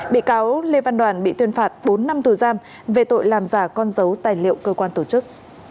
bị cáo lê văn đoàn bị tuyên phạt bốn năm tù giam về tội làm giả con dấu tài liệu cơ quan tổ chức